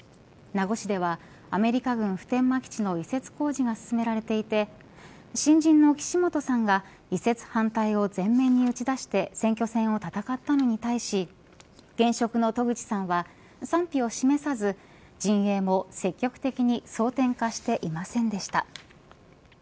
名護市ではアメリカ軍普天間基地の移設工事が進められていて新人の岸本さんが移設反対を前面に打ち出して選挙戦を戦ったのに対し現職の渡具知さん賛否を示さず、陣営も積極的に争点化していませんでした。